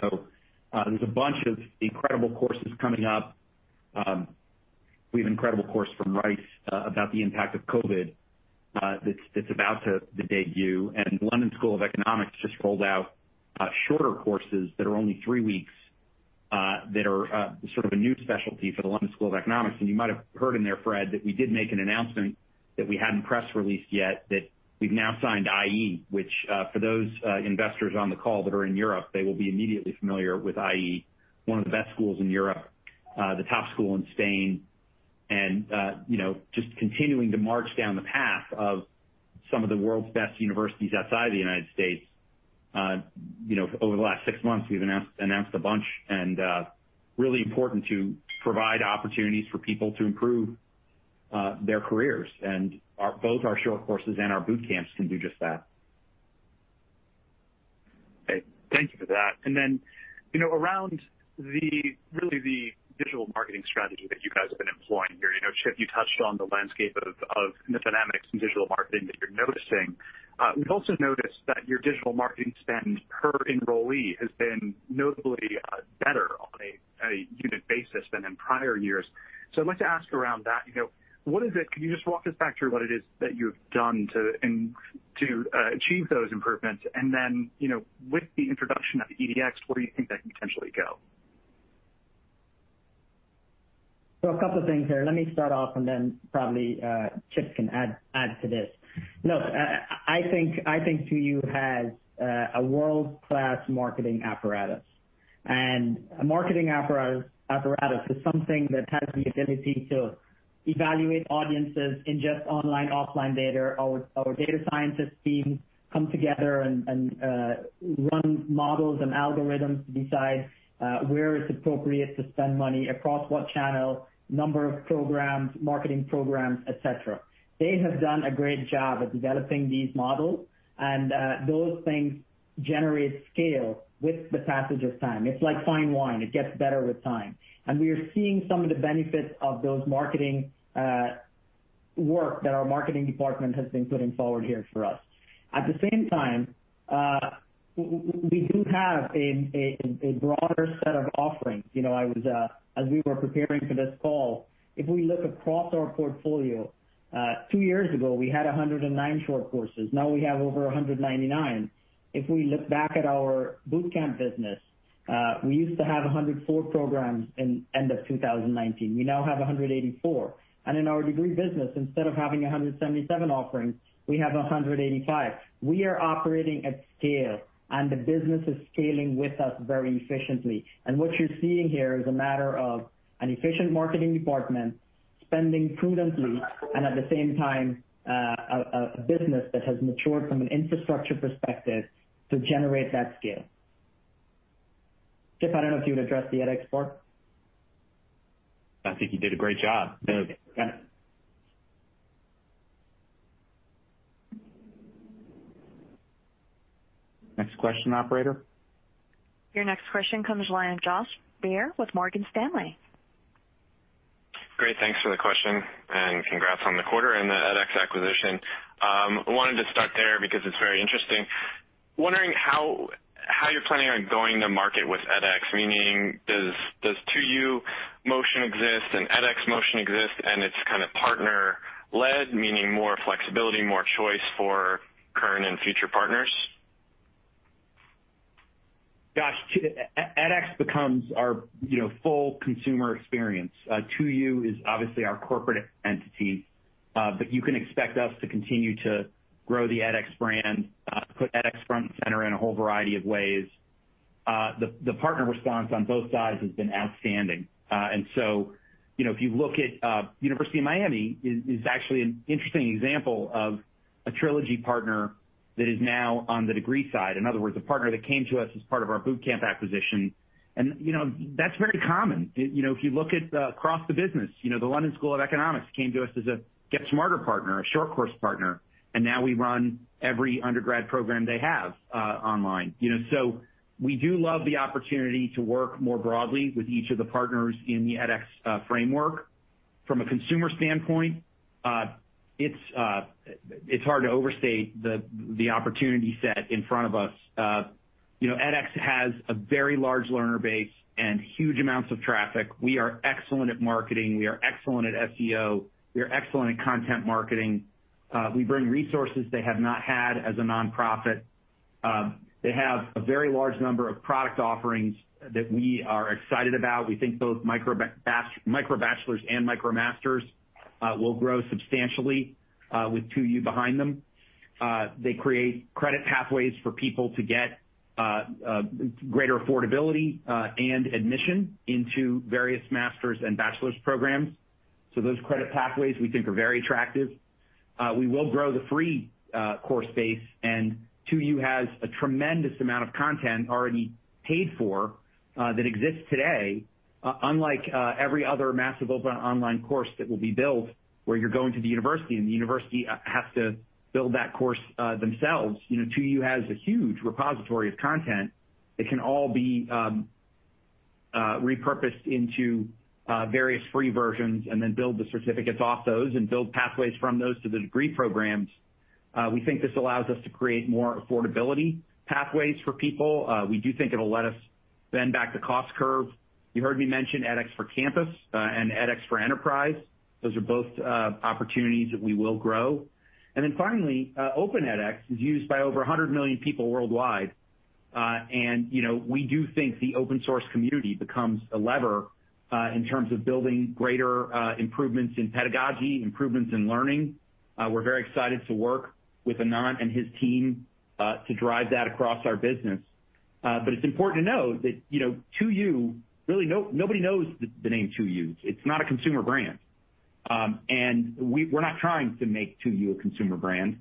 There's a bunch of incredible courses coming up. We have an incredible course from Rice, about the impact of COVID-19, that's about to debut. London School of Economics just rolled out shorter courses that are only three weeks, that are sort of a new specialty for the London School of Economics. You might have heard in there, Fred, that we did make an announcement that we hadn't press-released yet, that we've now signed IE. Which, for those investors on the call that are in Europe, they will be immediately familiar with IE, one of the best schools in Europe, the top school in Spain. Just continuing to march down the path of some of the world's best universities outside the United States. Over the last six months, we've announced a bunch and really important to provide opportunities for people to improve their careers. Both our Short Courses and our Bootcamps can do just that. Okay. Thank you for that. Around really the digital marketing strategy that you guys have been employing here. Chip Paucek, you touched on the landscape of the dynamics in digital marketing that you're noticing. We've also noticed that your digital marketing spend per enrollee has been notably better on a unit basis than in prior years. I'd like to ask around that. Can you just walk us back through what it is that you've done to achieve those improvements? With the introduction of edX, where do you think that can potentially go? A couple of things there. Let me start off and then probably Chip can add to this. Look, I think 2U has a world-class marketing apparatus. A marketing apparatus is something that has the ability to evaluate audiences, ingest online, offline data. Our data scientist team come together and run models and algorithms to decide where it's appropriate to spend money, across what channel, number of programs, marketing programs, et cetera. They have done a great job at developing these models, those things generate scale with the passage of time. It's like fine wine. It gets better with time. We are seeing some of the benefits of those marketing work that our marketing department has been putting forward here for us. At the same time, we do have a broader set of offerings. As we were preparing for this call, if we look across our portfolio, two years ago, we had 109 Short Courses. Now we have over 199. If we look back at our Bootcamp business, we used to have 104 programs in end of 2019. We now have 184. In our degree business, instead of having 177 offerings, we have 185. We are operating at scale, and the business is scaling with us very efficiently. What you're seeing here is a matter of an efficient marketing department spending prudently, and at the same time, a business that has matured from an infrastructure perspective to generate that scale. Chip, I don't know if you'd address the edX part. I think you did a great job. Okay. Got it. Next question, operator. Your next question comes line of Josh Baer with Morgan Stanley. Great. Thanks for the question. Congrats on the quarter and the edX acquisition. I wanted to start there because it's very interesting. I'm wondering how you're planning on going to market with edX, meaning does 2U motion exist and edX motion exist and it's kind of partner led, meaning more flexibility, more choice for current and future partners? Josh, edX becomes our full consumer experience. 2U is obviously our corporate entity. You can expect us to continue to grow the edX brand, put edX front and center in a whole variety of ways. The partner response on both sides has been outstanding. If you look at University of Miami is actually an interesting example of a Trilogy partner that is now on the degree side. In other words, a partner that came to us as part of our Bootcamp acquisition, and that's very common. If you look at across the business, the London School of Economics came to us as a GetSmarter partner, a Short Course partner, and now we run every undergrad program they have online. We do love the opportunity to work more broadly with each of the partners in the edX framework. From a consumer standpoint, it's hard to overstate the opportunity set in front of us. edX has a very large learner base and huge amounts of traffic. We are excellent at marketing. We are excellent at SEO. We are excellent at content marketing. We bring resources they have not had as a nonprofit. They have a very large number of product offerings that we are excited about. We think both MicroBachelors and MicroMasters will grow substantially with 2U behind them. They create credit pathways for people to get greater affordability and admission into various master's and bachelor's programs. Those credit pathways we think are very attractive. We will grow the free course base. 2U has a tremendous amount of content already paid for that exists today. Unlike every other massive open online course that will be built where you're going to the university and the university has to build that course themselves, 2U has a huge repository of content that can all be repurposed into various free versions and then build the certificates off those and build pathways from those to the degree programs. We think this allows us to create more affordability pathways for people. We do think it'll let us bend back the cost curve. You heard me mention edX for Campus and edX For Business. Those are both opportunities that we will grow. Finally, Open edX is used by over 100 million people worldwide. We do think the open source community becomes a lever in terms of building greater improvements in pedagogy, improvements in learning. We're very excited to work with Anant and his team to drive that across our business. It's important to know that 2U, really, nobody knows the name 2U. It's not a consumer brand. We're not trying to make 2U a consumer brand.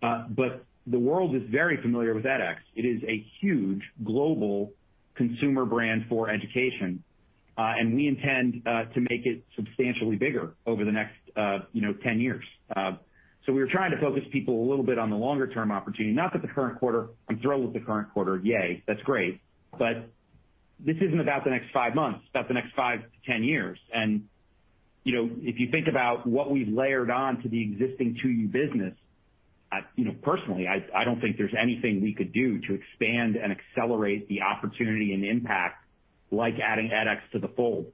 The world is very familiar with edX. It is a huge global consumer brand for education. We intend to make it substantially bigger over the next 10 years. We were trying to focus people a little bit on the longer-term opportunity, not that the current quarter. I'm thrilled with the current quarter. Yay. That's great. This isn't about the next five months. It's about the next five to 10 years. If you think about what we've layered on to the existing 2U business, personally, I don't think there's anything we could do to expand and accelerate the opportunity and impact like adding edX to the fold.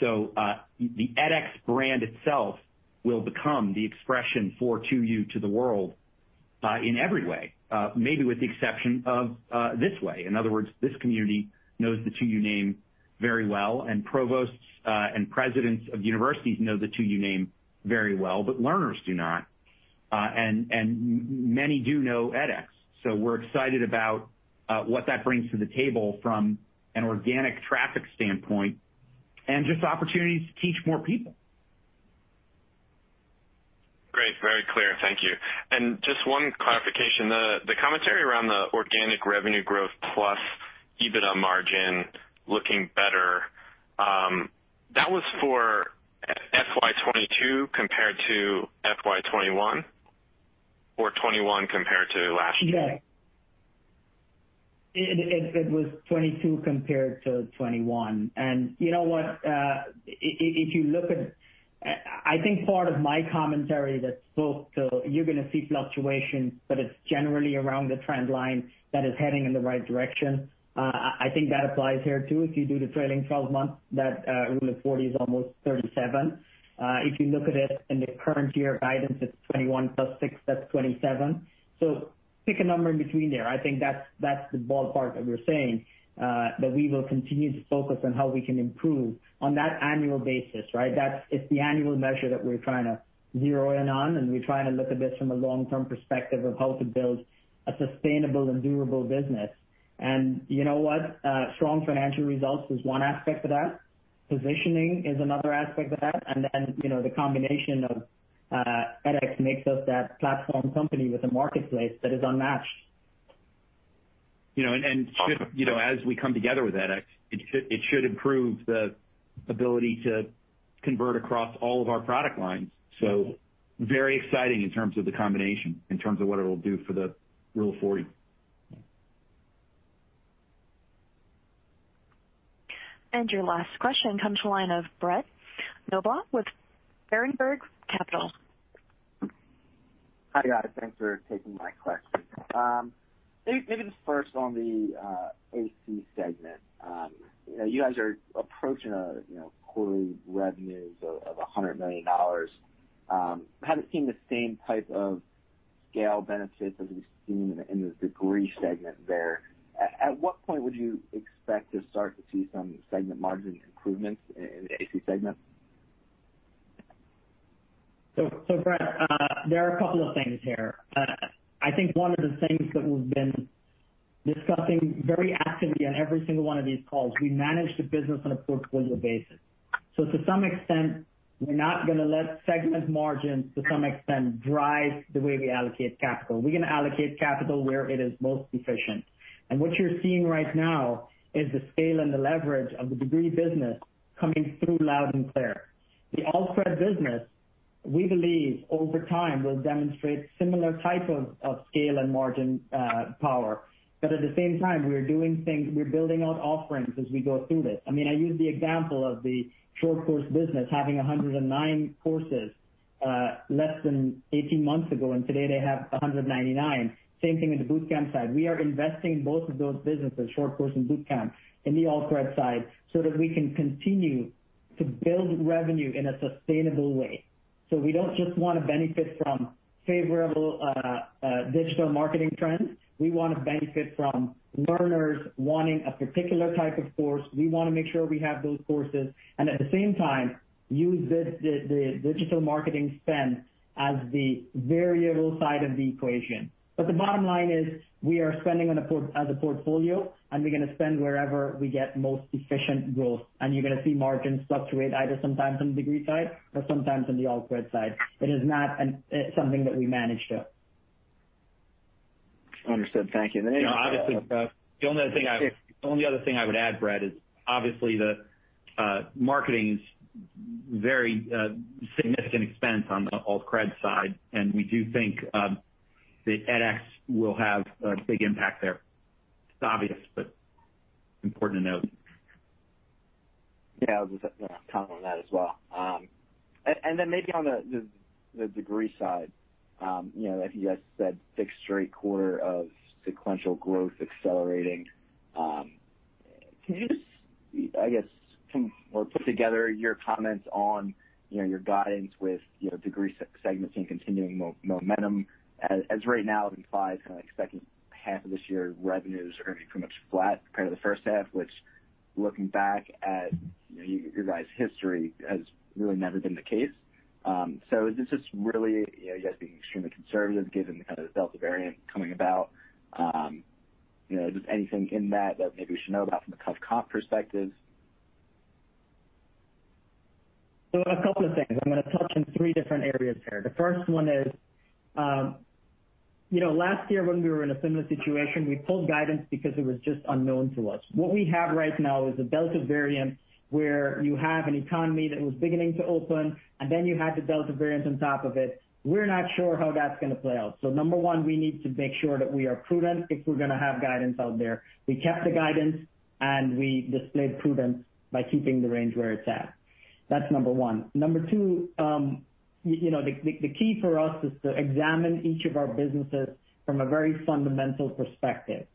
The edX brand itself will become the expression for 2U to the world in every way, maybe with the exception of this way. In other words, this community knows the 2U name very well, and provosts and presidents of universities know the 2U name very well, but learners do not. Many do know edX. We're excited about what that brings to the table from an organic traffic standpoint and just opportunities to teach more people. Great. Very clear. Thank you. Just one clarification. The commentary around the organic revenue growth plus EBITDA margin looking better, that was for FY 2022 compared to FY 2021 or 2021 compared to last year? It was 22 compared to 21. You know what? I think part of my commentary that spoke to you're going to see fluctuations, but it's generally around the trend line that is heading in the right direction. I think that applies here too. If you do the trailing 12 months, that Rule of 40 is almost 37. If you look at it in the current year guidance, it's 21 plus 6, that's 27. Pick a number in between there. I think that's the ballpark that we're saying, that we will continue to focus on how we can improve on that annual basis, right? That it's the annual measure that we're trying to zero in on, and we're trying to look at this from a long-term perspective of how to build a sustainable and durable business. You know what? Strong financial results is one aspect of that. Positioning is another aspect of that. The combination of edX makes us that platform company with a marketplace that is unmatched. As we come together with edX, it should improve the ability to convert across all of our product lines. Very exciting in terms of the combination, in terms of what it'll do for the Rule of 40. Your last question comes to the line of Brett Knoblauch with Berenberg Capital Markets. Hi, guys. Thanks for taking my question. Maybe just first on the AC segment. You guys are approaching quarterly revenues of $100 million. Haven't seen the same type of scale benefits as we've seen in the degree segment there. At what point would you expect to start to see some segment margin improvements in the AC segment? Brett, there are a couple of things here. I think one of the things that we've been discussing very actively on every single one of these calls, we manage the business on a portfolio basis. To some extent, we're not going to let segment margins to some extent drive the way we allocate capital. We're going to allocate capital where it is most efficient. What you're seeing right now is the scale and the leverage of the degree business coming through loud and clear. The Alt-cred business, we believe over time, will demonstrate similar type of scale and margin power. At the same time, we're building out offerings as we go through this. I use the example of the Short Course business having 109 courses less than 18 months ago, and today they have 199. Same thing with the Bootcamp side. We are investing both of those businesses, Short Course and Bootcamp, in the alt-cred side so that we can continue to build revenue in a sustainable way. We don't just want to benefit from favorable digital marketing trends. We want to benefit from learners wanting a particular type of course. We want to make sure we have those courses, and at the same time, use the digital marketing spend as the variable side of the equation. The bottom line is we are spending as a portfolio, and we're going to spend wherever we get most efficient growth. You're going to see margins fluctuate either sometimes on the degree side or sometimes on the alt-cred side. It is not something that we manage to. Understood. Thank you. The only other thing I would add, Brett, is obviously the marketing's very significant expense on the alt-cred side, and we do think that edX will have a big impact there. It's obvious, but important to note. Yeah, I was just going to comment on that as well. Then maybe on the degree side, I think you guys said sixth straight quarter of sequential growth accelerating. Can you just, I guess, put together your comments on your guidance with degree segmenting continuing momentum? Right now, it implies kind of expecting half of this year revenues are going to be pretty much flat compared to the first half, which looking back at your guys' history, has really never been the case. Is this just really you guys being extremely conservative given the kind of the Delta variant coming about? Just anything in that that maybe we should know about from a tough comp perspective? A couple of things. I'm going to touch on three different areas here. The first one is, last year when we were in a similar situation, we pulled guidance because it was just unknown to us. What we have right now is a Delta variant where you have an economy that was beginning to open, you had the Delta variant on top of it. We're not sure how that's going to play out. Number 1, we need to make sure that we are prudent if we're going to have guidance out there. We kept the guidance, we displayed prudence by keeping the range where it's at. That's number 1. Number 2, the key for us is to examine each of our businesses from a very fundamental perspective.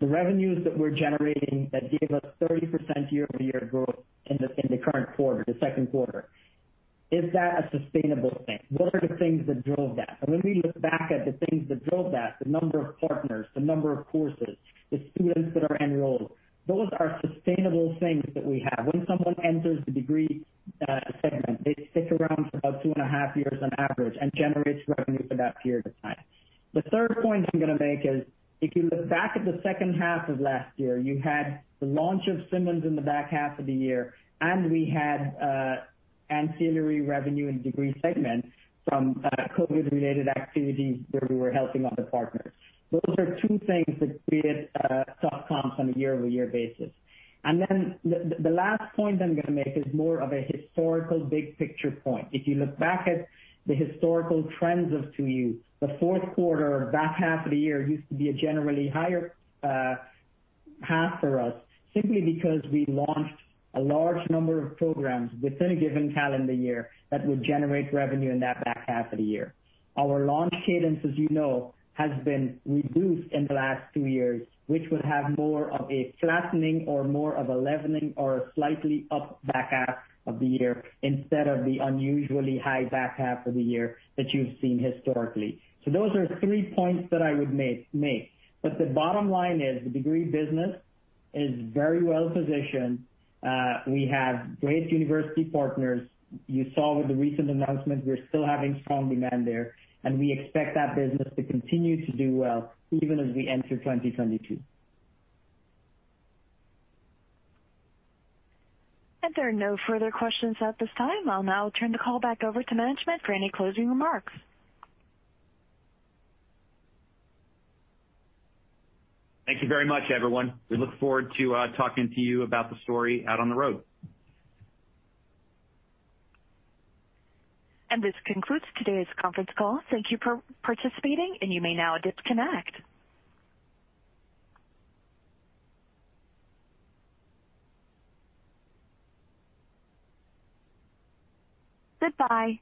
The revenues that we're generating that gave us 30% year-over-year growth in the current quarter, the second quarter, is that a sustainable thing? What are the things that drove that? When we look back at the things that drove that, the number of partners, the number of courses, the students that are enrolled, those are sustainable things that we have. When someone enters the degree segment, they stick around for about 2.5 years on average and generates revenue for that period of time. The third point I'm going to make is if you look back at the second half of last year, you had the launch of Simmons in the back half of the year, and we had ancillary revenue in degree segment from COVID-related activities where we were helping other partners. Those are two things that created tough comps on a year-over-year basis. The last point I'm going to make is more of a historical big picture point. If you look back at the historical trends of 2U, the fourth quarter, back half of the year used to be a generally higher half for us, simply because we launched a large number of programs within a given calendar year that would generate revenue in that back half of the year. Our launch cadence, as you know, has been reduced in the last two years, which would have more of a flattening or more of a leveling or a slightly up back half of the year instead of the unusually high back half of the year that you've seen historically. Those are three points that I would make. The bottom line is the degree business is very well positioned. We have great university partners. You saw with the recent announcement, we're still having strong demand there, and we expect that business to continue to do well even as we enter 2022. There are no further questions at this time. I will now turn the call back over to management for any closing remarks. Thank you very much, everyone. We look forward to talking to you about the story out on the road. This concludes today's conference call. Thank you for participating, and you may now disconnect. Goodbye.